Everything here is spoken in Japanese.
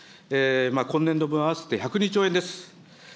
今年度分合わせて１０２兆円です。